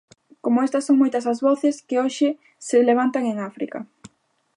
Como esta son moitas as voces que hoxe se levantan en África.